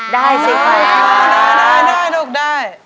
ได้เสียชัยค่ะครับลูกได้